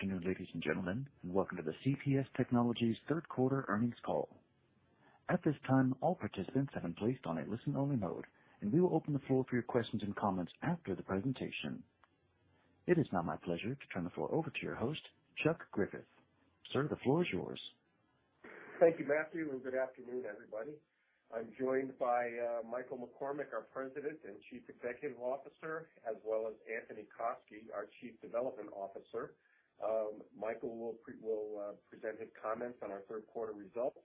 Good afternoon, ladies and gentlemen, and welcome to the CPS Technologies third quarter earnings call. At this time, all participants have been placed on a listen-only mode, and we will open the floor for your questions and comments after the presentation. It is now my pleasure to turn the floor over to your host, Chuck Griffith. Sir, the floor is yours. Thank you, Matthew, and good afternoon, everybody. I'm joined by Michael McCormack, our President and Chief Executive Officer, as well as Anthony Koski, our Corporate Development Officer. Michael will present his comments on our third quarter results.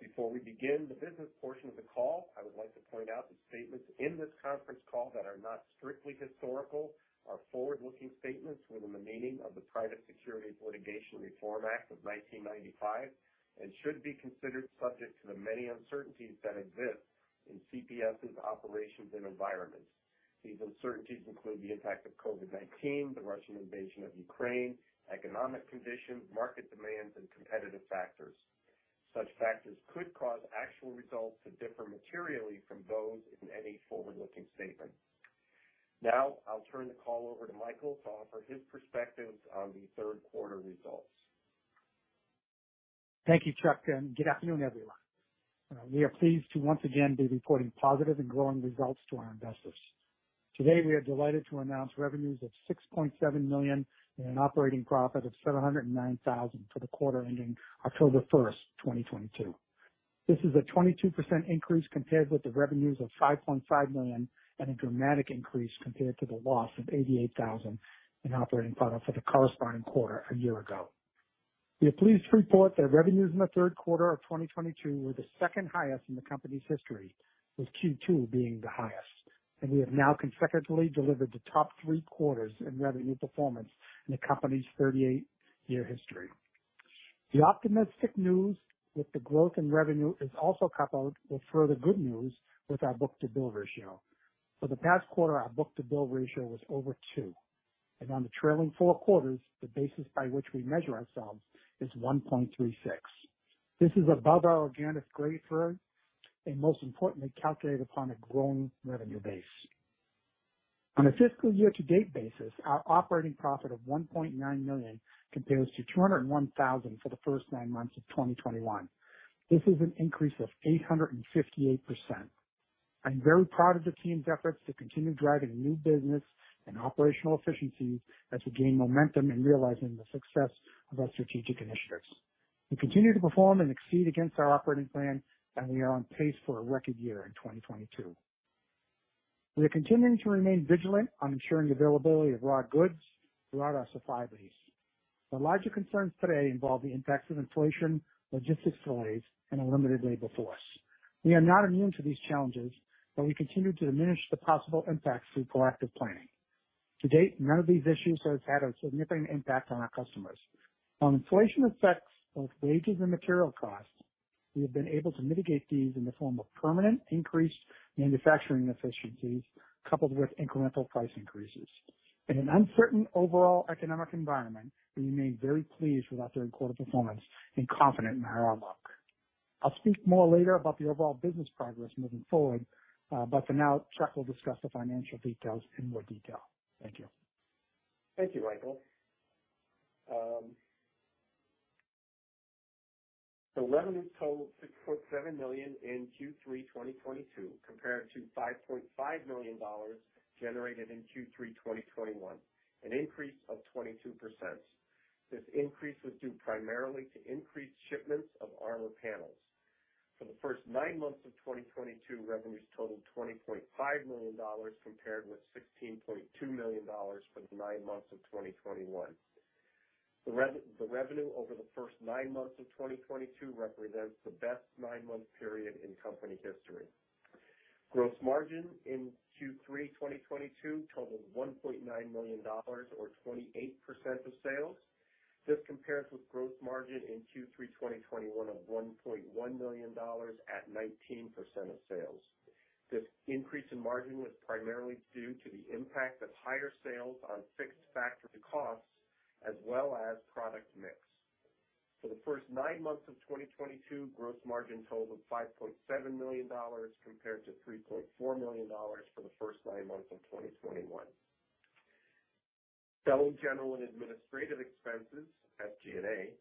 Before we begin the business portion of the call, I would like to point out the statements in this conference call that are not strictly historical or forward-looking statements within the meaning of the Private Securities Litigation Reform Act of 1995 and should be considered subject to the many uncertainties that exist in CPS's operations and environments. These uncertainties include the impact of COVID-19, the Russian invasion of Ukraine, economic conditions, market demands, and competitive factors. Such factors could cause actual results to differ materially from those in any forward-looking statement. Now, I'll turn the call over to Michael to offer his perspectives on the third quarter results. Thank you, Chuck, and good afternoon, everyone. We are pleased to once again be reporting positive and growing results to our investors. Today, we are delighted to announce revenues of $6.7 million and an operating profit of $709,000 for the quarter ending October 1, 2022. This is a 22% increase compared with the revenues of $5.5 million and a dramatic increase compared to the loss of $88,000 in operating profit for the corresponding quarter a year ago. We are pleased to report that revenues in the third quarter of 2022 were the second highest in the company's history, with Q2 being the highest. We have now consecutively delivered the top three quarters in revenue performance in the company's 38-year history. The optimistic news with the growth in revenue is also coupled with further good news with our book-to-bill ratio. For the past quarter, our book-to-bill ratio was over two, and on the trailing four quarters, the basis by which we measure ourselves is 1.36. This is above our organic growth rate and most importantly, calculated upon a growing revenue base. On a fiscal year to date basis, our operating profit of $1.9 million compares to $201,000 for the first nine months of 2021. This is an increase of 858%. I'm very proud of the team's efforts to continue driving new business and operational efficiencies as we gain momentum in realizing the success of our strategic initiatives. We continue to perform and exceed against our operating plan, and we are on pace for a record year in 2022. We are continuing to remain vigilant on ensuring the availability of raw goods throughout our supply base. The larger concerns today involve the impacts of inflation, logistics delays, and a limited labor force. We are not immune to these challenges, but we continue to diminish the possible impacts through proactive planning. To date, none of these issues has had a significant impact on our customers. On inflation effects of wages and material costs, we have been able to mitigate these in the form of permanent increased manufacturing efficiencies coupled with incremental price increases. In an uncertain overall economic environment, we remain very pleased with our third quarter performance and confident in our outlook. I'll speak more later about the overall business progress moving forward, but for now, Chuck will discuss the financial details in more detail. Thank you. Thank you, Michael. Revenues totaled $6.7 million in Q3 2022 compared to $5.5 million generated in Q3 2021, an increase of 22%. This increase was due primarily to increased shipments of Armor Panels. For the first nine months of 2022, revenues totaled $20.5 million compared with $16.2 million for the nine months of 2021. The revenue over the first nine months of 2022 represents the best nine-month period in company history. Gross margin in Q3 2022 totaled $1.9 million or 28% of sales. This compares with gross margin in Q3 2021 of $1.1 million at 19% of sales. This increase in margin was primarily due to the impact of higher sales on fixed factory costs as well as product mix. For the first nine months of 2022, gross margin totaled $5.7 million compared to $3.4 million for the first nine months of 2021. Selling, general, and administrative expenses, SG&A,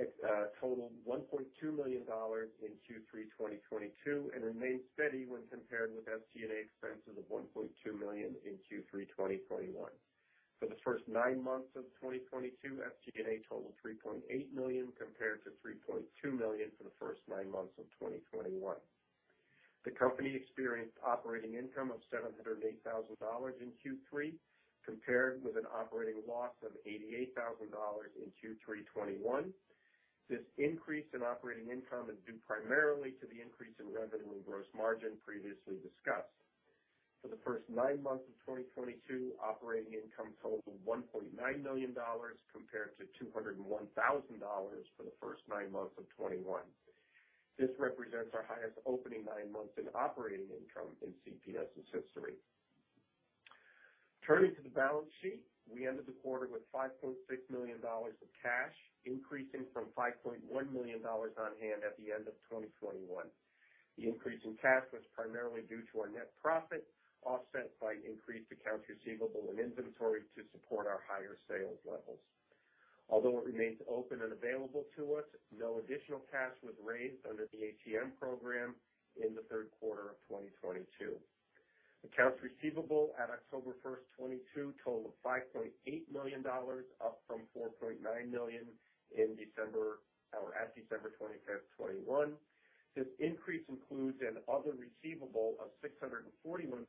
it, totaled $1.2 million in Q3 2022 and remained steady when compared with SG&A expenses of $1.2 million in Q3 2021. For the first nine months of 2022, SG&A totaled $3.8 million compared to $3.2 million for the first nine months of 2021. The company experienced operating income of $708 thousand in Q3, compared with an operating loss of $88 thousand in Q3 2021. This increase in operating income is due primarily to the increase in revenue and gross margin previously discussed. For the first nine months of 2022, operating income totaled $1.9 million compared to $201,000 for the first nine months of 2021. This represents our highest operating nine months in operating income in CPS's history. Turning to the balance sheet, we ended the quarter with $5.6 million of cash, increasing from $5.1 million on hand at the end of 2021. The increase in cash was primarily due to our net profit, offset by increased accounts receivable and inventory to support our higher sales levels. Although it remains open and available to us, no additional cash was raised under the ATM program in the third quarter of 2022. Accounts receivable at October 1, 2022 totaled $5.8 million, up from $4.9 million in December 31, 2021. This increase includes another receivable of $641,000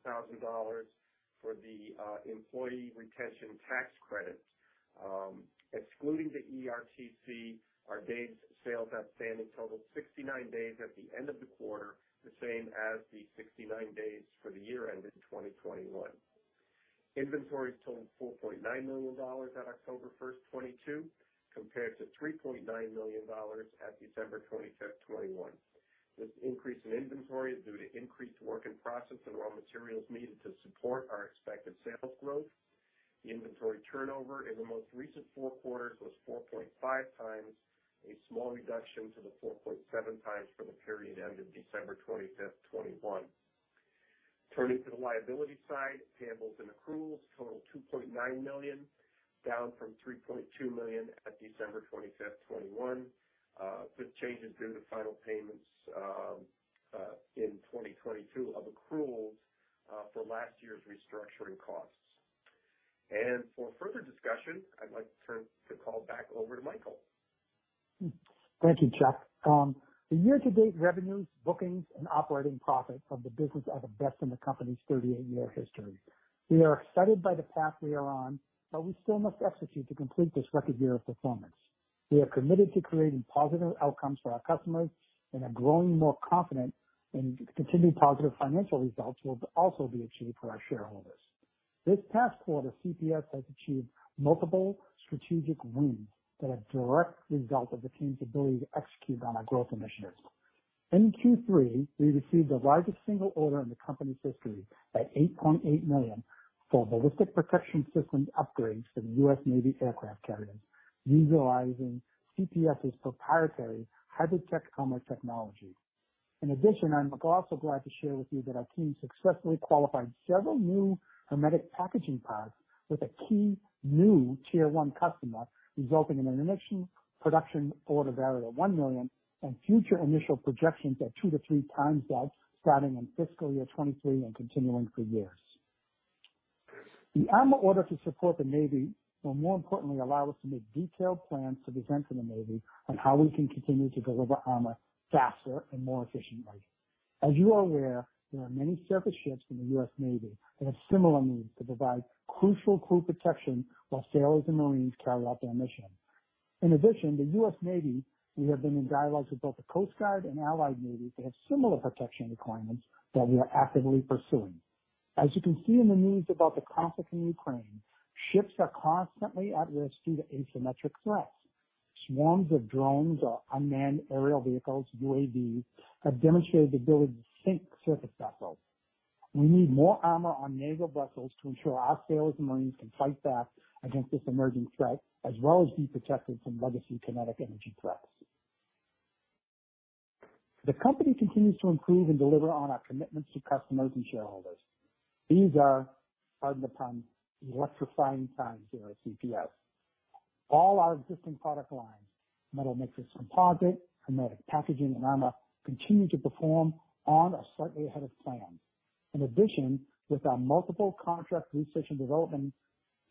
for the employee retention tax credit. Excluding the ERTC, our days sales outstanding totaled 69 days at the end of the quarter, the same as the 69 days for the year ended 2021. Inventories totaled $4.9 million at October 1, 2022, compared to $3.9 million at December 25, 2021. This increase in inventory is due to increased work in process and raw materials needed to support our expected sales growth. Inventory turnover in the most recent four quarters was 4.5x, a small reduction to the 4.7x for the period end of December 25, 2021. Turning to the liability side, payables and accruals totaled $2.9 million, down from $3.2 million at December 25, 2021. With changes due to final payments in 2022 of accruals for last year's restructuring costs. For further discussion, I'd like to turn the call back over to Michael. Thank you, Chuck. The year-to-date revenues, bookings, and operating profit from the business are the best in the company's 38-year history. We are excited by the path we are on, but we still must execute to complete this record year of performance. We are committed to creating positive outcomes for our customers and are growing more confident in continued positive financial results will also be achieved for our shareholders. This past quarter, CPS has achieved multiple strategic wins that are a direct result of the team's ability to execute on our growth initiatives. In Q3, we received the largest single order in the company's history at $8.8 million for Ballistic Protection System upgrades for the U.S. Navy aircraft carriers, utilizing CPS's proprietary HybridTech Armor technology. In addition, I'm also glad to share with you that our team successfully qualified several new Hermetic Packaging parts with a key new Tier 1 customer, resulting in an initial production order value of $1 million, and future initial projections at two-three times that, starting in fiscal year 2023 and continuing for years. The armor order to support the Navy will more importantly allow us to make detailed plans to present to the Navy on how we can continue to deliver armor faster and more efficiently. As you are aware, there are many surface ships in the U.S. Navy that have similar needs to provide crucial crew protection while sailors and marines carry out their mission. In addition to U.S. Navy, we have been in dialogues with both the Coast Guard and Allied Navy. They have similar protection requirements that we are actively pursuing. As you can see in the news about the conflict in Ukraine, ships are constantly at risk due to asymmetric threats. Swarms of drones or unmanned aerial vehicles, UAVs, have demonstrated the ability to sink surface vessels. We need more armor on naval vessels to ensure our sailors and marines can fight back against this emerging threat, as well as be protected from legacy kinetic energy threats. The company continues to improve and deliver on our commitments to customers and shareholders. These are, pardon the pun, electrifying times here at CPS. All our existing product lines, Metal Matrix Composite, Hermetic Packaging, and armor, continue to perform on or slightly ahead of plan. In addition, with our multiple contract research and development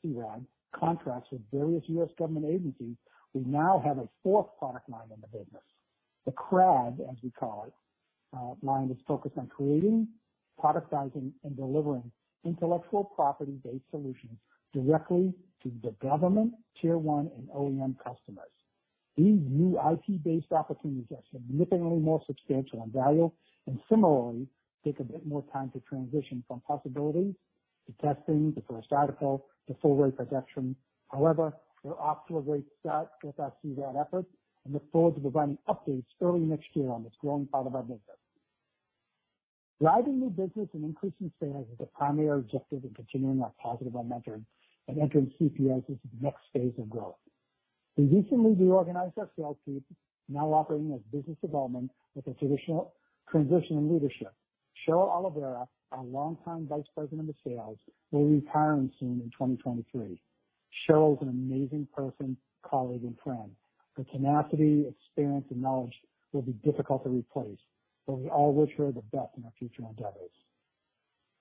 CRAD contracts with various U.S. government agencies, we now have a fourth product line in the business. The CRAD, as we call it, line is focused on creating, productizing, and delivering intellectual property-based solutions directly to the government, Tier 1, and OEM customers. These new IP-based opportunities are significantly more substantial in value and similarly take a bit more time to transition from possibilities to testing to first article to full rate production. However, we're off to a great start with our CRAD efforts and look forward to providing updates early next year on this growing part of our business. Driving new business and increasing sales is a primary objective in continuing our positive momentum and entering CPS into the next phase of growth. We recently reorganized our sales team, now operating as business development with a traditional transition in leadership. Cheryl Oliveira, our longtime Vice President of Sales, will be retiring soon in 2023. Cheryl is an amazing person, colleague, and friend. Her tenacity, experience, and knowledge will be difficult to replace, but we all wish her the best in her future endeavors.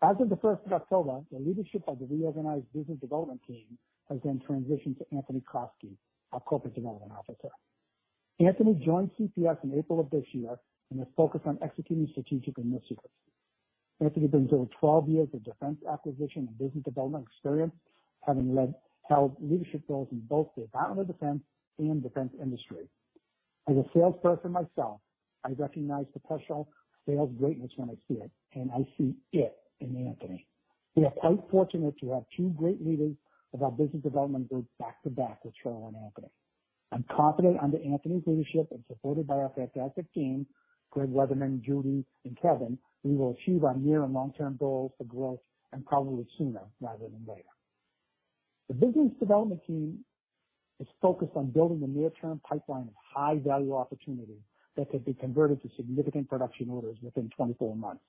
As of the first of October, the leadership of the reorganized business development team has been transitioned to Anthony Koski, our corporate development officer. Anthony joined CPS in April of this year and is focused on executing strategic initiatives. Anthony brings over 12 years of defense acquisition and business development experience, having held leadership roles in both the Department of Defense and defense industry. As a salesperson myself, I recognize professional sales greatness when I see it, and I see it in Anthony. We are quite fortunate to have two great leaders of our business development group back to back with Cheryl and Anthony. I'm confident under Anthony Koski's leadership and supported by our fantastic team, Gregg Weatherman, Judy, and Kevin, we will achieve our near- and long-term goals for growth and probably sooner rather than later. The business development team is focused on building the near-term pipeline of high-value opportunities that could be converted to significant production orders within 24 months.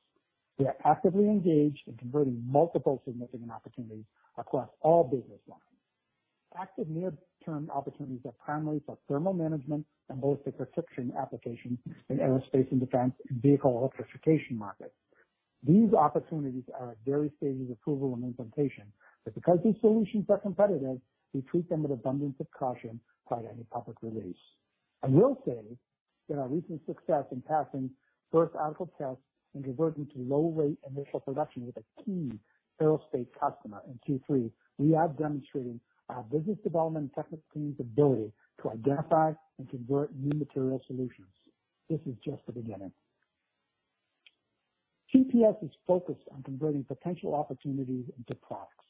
We are actively engaged in converting multiple significant opportunities across all business lines. Active near-term opportunities are primarily for thermal management and ballistic protection applications in aerospace and defense and vehicle electrification markets. These opportunities are at various stages of approval and implementation, but because these solutions are competitive, we treat them with abundance of caution prior to any public release. I will say that our recent success in passing first article tests and converting to low rate initial production with a key aerospace customer in Q3. We are demonstrating our business development and technical team's ability to identify and convert new material solutions. This is just the beginning. CPS is focused on converting potential opportunities into products.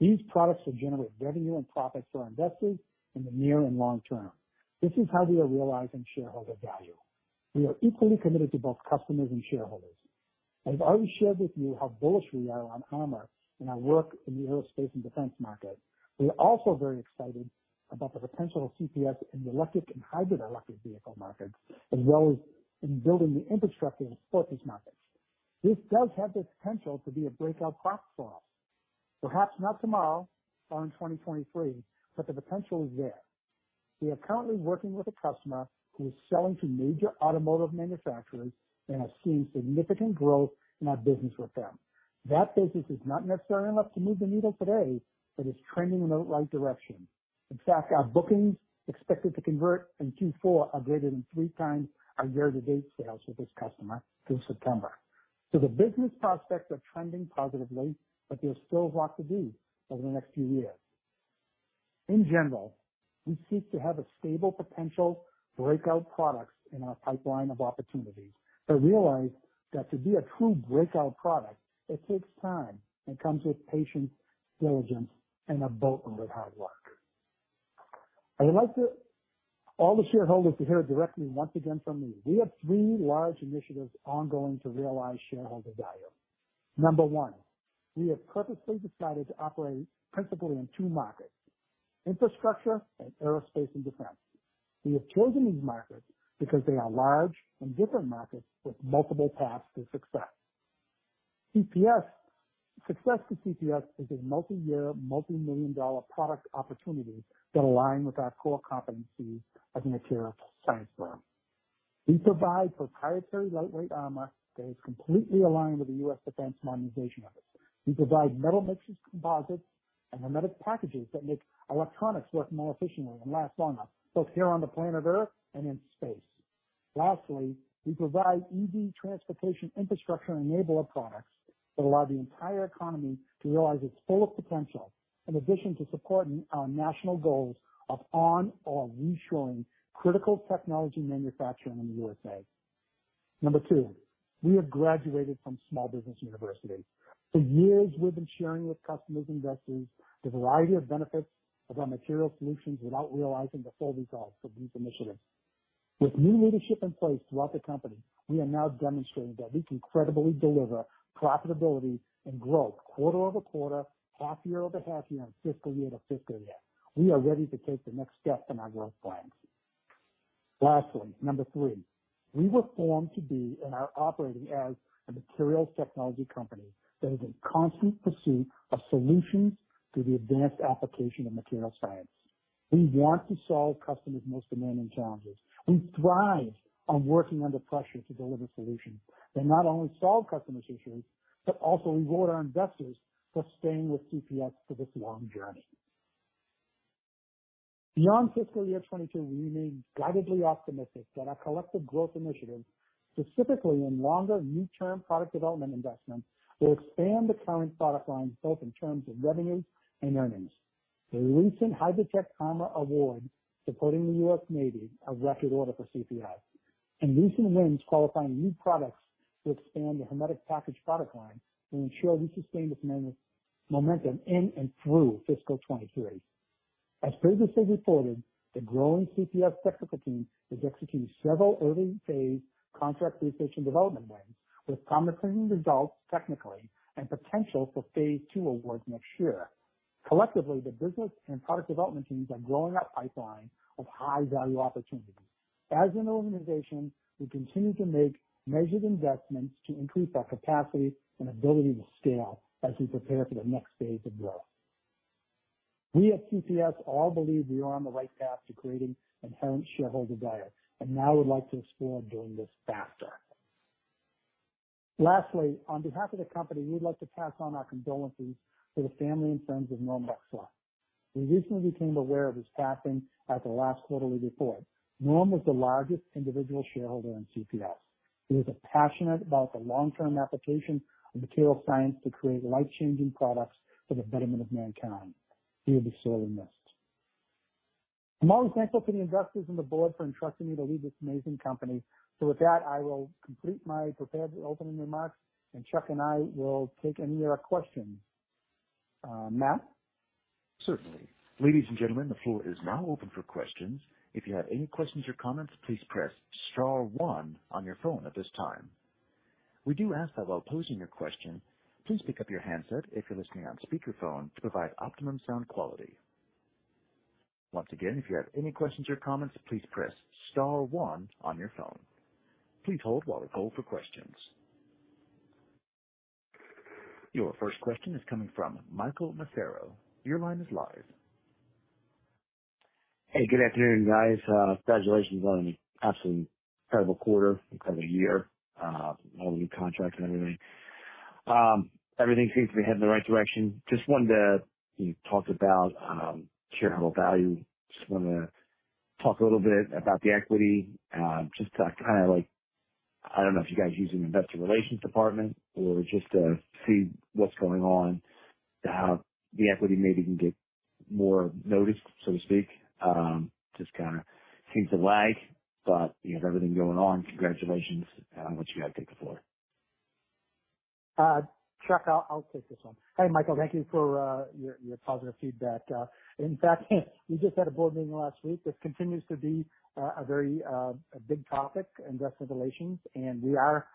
These products will generate revenue and profits for our investors in the near and long term. This is how we are realizing shareholder value. We are equally committed to both customers and shareholders. I've already shared with you how bullish we are on armor and our work in the aerospace and defense market. We are also very excited about the potential of CPS in the electric and hybrid electric vehicle markets, as well as in building the infrastructure to support these markets. This does have the potential to be a breakout box for us. Perhaps not tomorrow or in 2023, but the potential is there. We are currently working with a customer who is selling to major automotive manufacturers and has seen significant growth in our business with them. That business is not necessarily enough to move the needle today, but it's trending in the right direction. In fact, our bookings expected to convert in Q4 are greater than three times our year-to-date sales with this customer through September. The business prospects are trending positively, but there's still work to do over the next few years. In general, we seek to have a stable potential breakout products in our pipeline of opportunities, but realize that to be a true breakout product, it takes time and comes with patience, diligence, and a boatload of hard work. I would like to. All the shareholders to hear directly once again from me. We have three large initiatives ongoing to realize shareholder value. Number one, we have purposely decided to operate principally in two markets, infrastructure and aerospace and defense. We have chosen these markets because they are large and different markets with multiple paths to success. CPS success to CPS is a multi-year, multi-million dollar product opportunities that align with our core competencies as a material science firm. We provide proprietary lightweight armor that is completely aligned with the U.S. defense modernization efforts. We provide Metal Matrix Composites, and hermetic packages that make electronics work more efficiently and last longer, both here on the planet Earth and in space. Lastly, we provide EV transportation infrastructure enabler products that allow the entire economy to realize its full potential, in addition to supporting our national goals of onshoring or reshoring critical technology manufacturing in the USA. Number two, we have graduated from small business university. For years, we've been sharing with customers and investors the variety of benefits of our material solutions without realizing the full results of these initiatives. With new leadership in place throughout the company, we are now demonstrating that we can credibly deliver profitability and growth quarter-over-quarter, half-year-over-half-year, and fiscal year-over-fiscal year. We are ready to take the next step in our growth plans. Lastly, number three, we were formed to be and are operating as a materials technology company that is in constant pursuit of solutions through the advanced application of materials science. We want to solve customers' most demanding challenges. We thrive on working under pressure to deliver solutions that not only solve customers' issues, but also reward our investors for staying with CPS for this long journey. Beyond fiscal year 2022, we remain guidedly optimistic that our collective growth initiatives, specifically in longer near-term product development investments, will expand the current product lines, both in terms of revenues and earnings. The recent HybridTech Armor award supporting the US Navy, a record order for CPS, and recent wins qualifying new products to expand the Hermetic Packaging product line will ensure we sustain this momentum in and through fiscal 2023. As business is reported, the growing CPS technical team has executed several early phase contract research and development wins with promising results technically and potential for phase two awards next year. Collectively, the business and product development teams are growing our pipeline of high-value opportunities. As an organization, we continue to make measured investments to increase our capacity and ability to scale as we prepare for the next phase of growth. We at CPS all believe we are on the right path to creating inherent shareholder value, and now would like to explore doing this faster. Lastly, on behalf of the company, we'd like to pass on our condolences to the family and friends of Norm Nexsen. We recently became aware of his passing at the last quarterly report. Norm was the largest individual shareholder in CPS. He was passionate about the long-term application of material science to create life-changing products for the betterment of mankind. He will be sorely missed. I'm always thankful to the investors and the board for entrusting me to lead this amazing company. With that, I will complete my prepared opening remarks, and Chuck and I will take any of your questions. Matt? Certainly. Ladies and gentlemen, the floor is now open for questions. If you have any questions or comments, please press star one on your phone at this time. We do ask that while posing your question, please pick up your handset if you're listening on speakerphone to provide optimum sound quality. Once again, if you have any questions or comments, please press star one on your phone. Please hold while we call for questions. Your first question is coming from Michael Massaro. Your line is live. Hey, good afternoon, guys. Congratulations on an absolutely incredible quarter, incredible year. All the new contracts and everything. Everything seems to be heading in the right direction. Just wanted to, you know, talk about shareholder value. Just wanna talk a little bit about the equity. Just to kind of like I don't know if you guys use an investor relations department or just to see what's going on, how the equity maybe can get more noticed, so to speak. Just kinda seems to lag, but, you know, everything going on. Congratulations on what you guys did for. Chuck, I'll take this one. Hey, Michael, thank you for your positive feedback. In fact, we just had a board meeting last week. This continues to be a very big topic, investor relations, and we are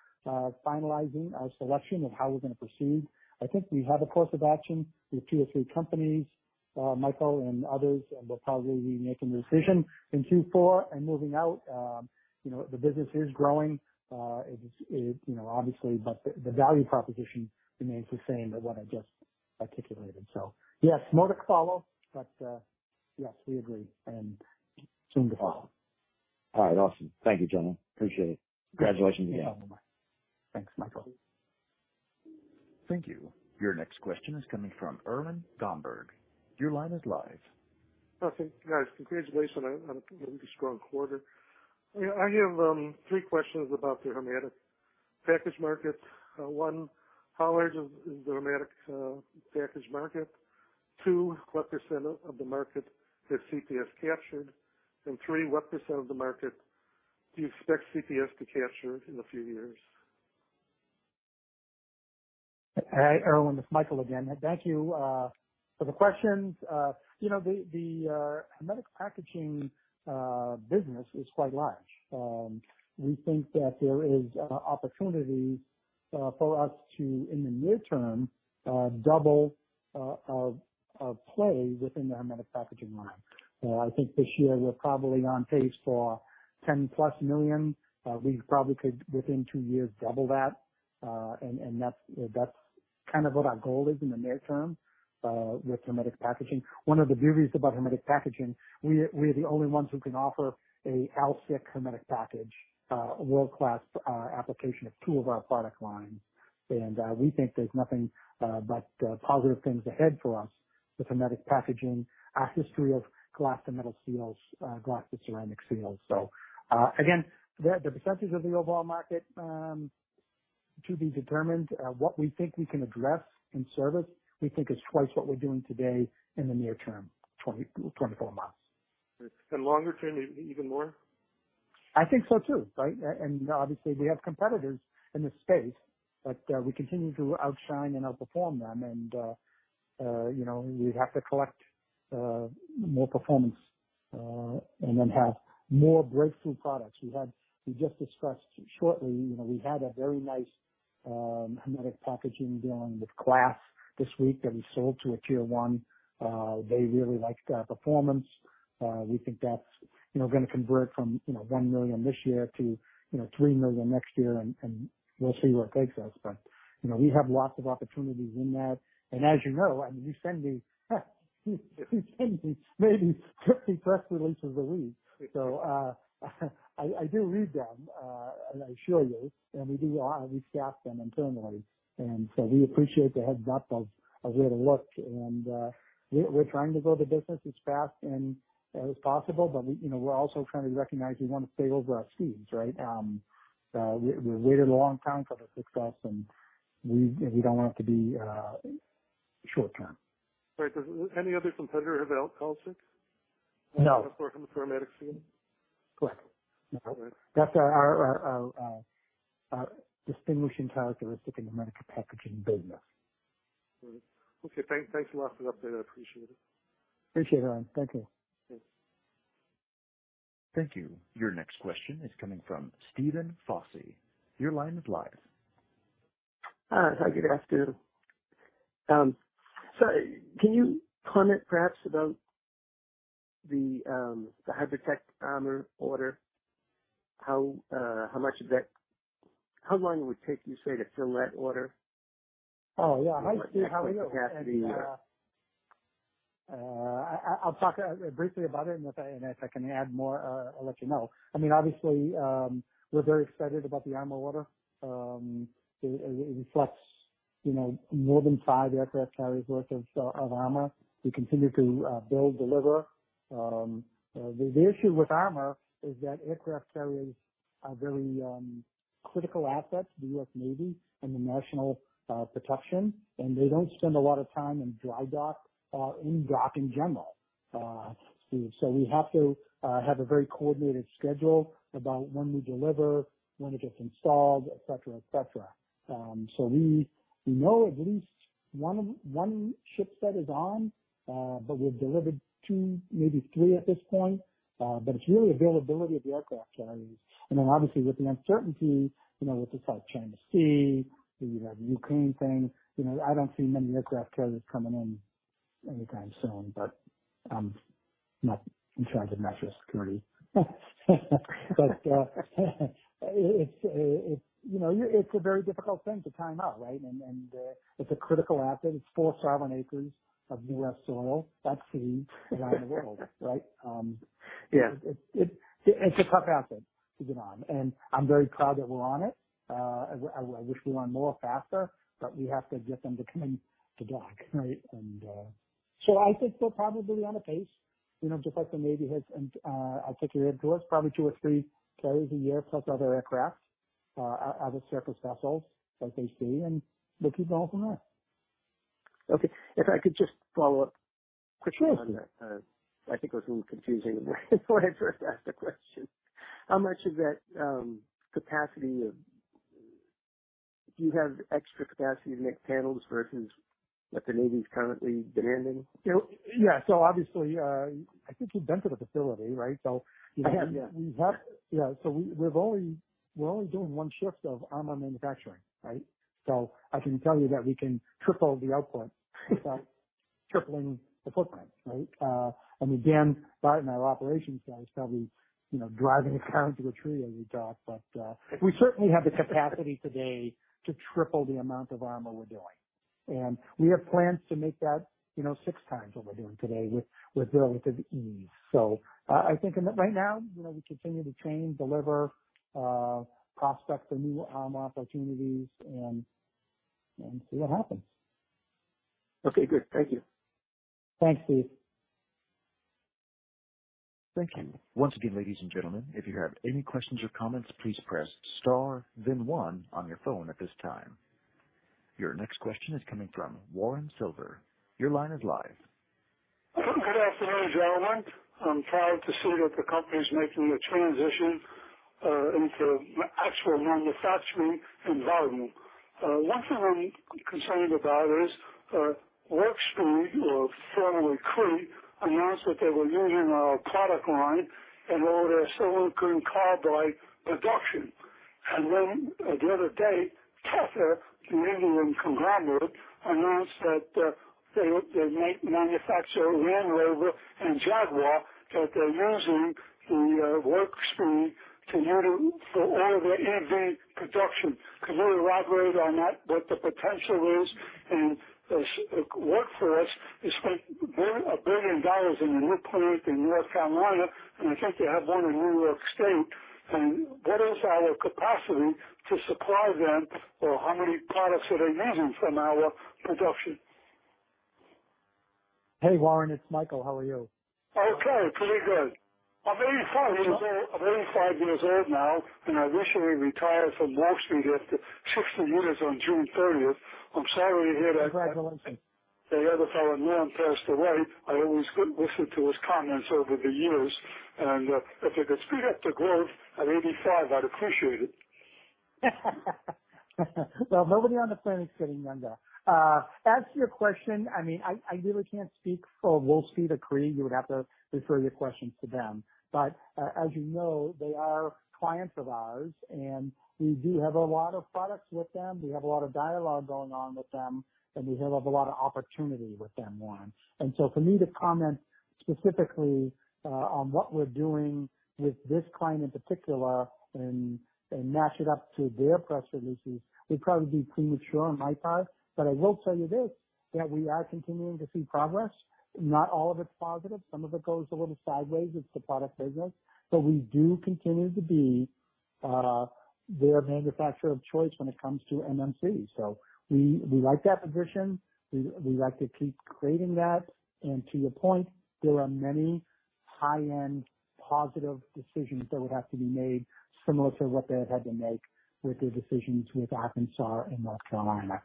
finalizing our selection of how we're gonna proceed. I think we have a course of action with two or three companies. Michael and others will probably be making the decision in Q4 and moving out. You know, the business is growing. You know, obviously. The value proposition remains the same, the one I just articulated. Yes, more to follow, but yes, we agree and soon to follow. All right. Awesome. Thank you, gentlemen. Appreciate it. Congratulations again. Thanks, Michael. Thank you. Your next question is coming from Irwin Gomberg. Your line is live. Oh, thank you, guys. Congratulations on a really strong quarter. I have three questions about the hermetic package market. One, how large is the hermetic package market? Two, what % of the market has CPS captured? Three, what % of the market do you expect CPS to capture in a few years? Hi, Irwin, it's Michael again. Thank you for the questions. You know, the Hermetic Packaging business is quite large. We think that there is opportunity for us to, in the near term, double our play within the Hermetic Packaging line. I think this year we're probably on pace for $10+ million. We probably could, within two years, double that. That's kind of what our goal is in the near term with Hermetic Packaging. One of the beauties about Hermetic Packaging, we're the only ones who can offer a AlSiC Hermetic Package, a world-class application of two of our product lines. We think there's nothing but positive things ahead for us with Hermetic Packaging. Our history of glass-to-metal seals, glass-to-ceramic seals. Again, the percentage of the overall market to be determined. What we think we can address in service, we think is twice what we're doing today in the near term, 20-24 months. Longer term, even more? I think so, too, right? Obviously we have competitors in this space, but we continue to outshine and outperform them. You know, we have to collect more performance and then have more breakthrough products. We just discussed shortly, you know, we had a very nice Hermetic Packaging deal with Cree this week that we sold to a Tier 1. They really liked our performance. We think that's, you know, gonna convert from, you know, $1 million this year to, you know, $3 million next year. We'll see where it takes us. You know, we have lots of opportunities in that. As you know, I mean, you send me maybe 50 press releases a week. I do read them as I assure you, and we discuss them internally. We appreciate the heads up of where to look. We're trying to grow the business as fast as possible, but you know, we're also trying to recognize we wanna stay over our skis, right? We waited a long time for the success, and we don't want it to be short-term. Right. Does any other competitor have AlSiC? No. Apart from the hermetic seal. Correct. Okay. That's our distinguishing characteristic in the Hermetic Packaging business. Great. Okay. Thanks for offering up there. I appreciate it. Appreciate it, Irwin. Thank you. Thanks. Thank you. Your next question is coming from Steven Foss. Your line is live. Hi. How you guys doing? Can you comment perhaps about the HybridTech Armor order? How much of that, how long it would take you, say, to fill that order? Oh, yeah. Hi, Steve. How are you? What type of capacity? I'll talk briefly about it. If I can add more, I'll let you know. I mean, obviously, we're very excited about the armor order. It reflects, you know, more than five aircraft carriers worth of armor. We continue to build, deliver. The issue with armor is that aircraft carriers are very critical assets to the US Navy and the national protection, and they don't spend a lot of time in dry dock or in dock in general, Steve. We have to have a very coordinated schedule about when we deliver, when it gets installed, et cetera, et cetera. We know at least one ship set is on. But we've delivered two, maybe three at this point. But it's really availability of the aircraft carriers. Then obviously with the uncertainty, you know, with the South China Sea, you have the Ukraine thing, you know, I don't see many aircraft carriers coming in anytime soon, but I'm not in charge of national security. It's a very difficult thing to time out, right? It's a critical asset. It's 4,000 acres of U.S. soil. That's the around the world, right? Yeah. It's a tough asset to get on, and I'm very proud that we're on it. I wish we were on more faster, but we have to get them to come in to dock, right? I think we're probably on a pace, you know, just like the Navy has. I think it was probably two or three carriers a year, plus other aircraft, other surface vessels, like they see, and we'll keep going from there. Okay. If I could just follow up question on that. Sure. I think it was a little confusing when I first asked the question. How much of that capacity do you have extra capacity to make panels versus what the Navy is currently demanding? Yeah. Obviously, I think we've done for the facility, right? Yeah. We're only doing one shift of armor manufacturing, right? I can tell you that we can triple the output without tripling the footprint, right? I mean, Dan Barton, our operations guy, is probably, you know, driving a car into a tree as we talk. We certainly have the capacity today to triple the amount of armor we're doing. We have plans to make that, you know, six times what we're doing today with relative ease. I think right now, you know, we continue to train, deliver prospects for new armor opportunities and see what happens. Okay, good. Thank you. Thanks, Steve. Thank you. Once again, ladies and gentlemen, if you have any questions or comments, please press star then one on your phone at this time. Your next question is coming from Warren Silver. Your line is live. Good afternoon, gentlemen. I'm proud to see that the company is making a transition into actual manufacturing environment. One thing I'm concerned about is Wolfspeed, formerly Cree, announced that they were using our product line in all their silicon carbide production. The other day, Tata, the Indian conglomerate, announced that they manufacture Land Rover and Jaguar, that they're using Wolfspeed for all of their EV production. Could you elaborate on that, what the potential is? Wolfspeed, they spent $1 billion in a new plant in North Carolina, and I think they have one in New York State. What is our capacity to supply them, or how many products are they using from our production? Hey, Warren, it's Michael. How are you? Okay. Pretty good. I'm 85. I'm 85 years old now, and I recently retired from Wolfspeed after 60 years on June thirtieth. I'm sorry to hear that. Congratulations. The other fellow, Norm Nexsen, passed away. I always listened to his comments over the years. If you could speed up the growth at 85, I'd appreciate it. Well, nobody on the planet is getting younger. As to your question, I mean, I really can't speak for Wolfspeed or Cree. You would have to refer your questions to them. As you know, they are clients of ours, and we do have a lot of products with them. We have a lot of dialogue going on with them, and we have a lot of opportunity with them, Warren. For me to comment specifically on what we're doing with this client in particular and match it up to their press releases would probably be premature on my part. I will tell you this, that we are continuing to see progress. Not all of it's positive. Some of it goes a little sideways. It's the product business. We do continue to be their manufacturer of choice when it comes to MMC. We like that position. We like to keep creating that. To your point, there are many high-end positive decisions that would have to be made similar to what they had to make with their decisions with Siler City in North Carolina.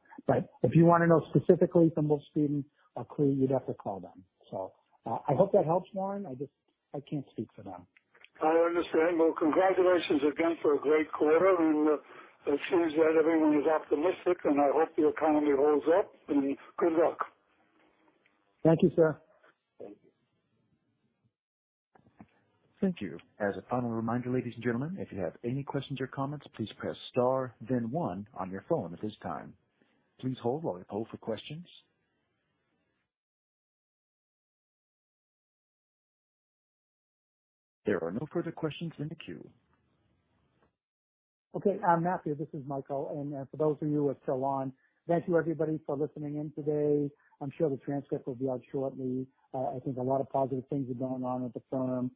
If you want to know specifically from Wolfspeed or Cree, you'd have to call them. I hope that helps, Warren. I just, I can't speak for them. I understand. Well, congratulations again for a great quarter and it seems that everyone is optimistic and I hope the economy holds up. Good luck. Thank you, sir. Thank you. Thank you. As a final reminder, ladies and gentlemen, if you have any questions or comments, please press star then one on your phone at this time. Please hold while we poll for questions. There are no further questions in the queue. Okay. Matthew, this is Michael. For those of you who are still on, thank you, everybody, for listening in today. I'm sure the transcript will be out shortly. I think a lot of positive things are going on at the firm.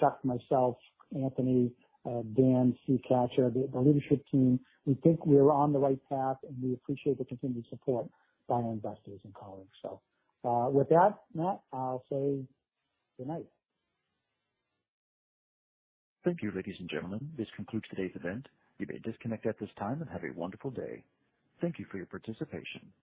Chuck, myself, Anthony, Dan, Steve Kachur, the leadership team, we think we are on the right path, and we appreciate the continued support by our investors and colleagues. With that, Matt, I'll say good night. Thank you, ladies and gentlemen. This concludes today's event. You may disconnect at this time and have a wonderful day. Thank you for your participation.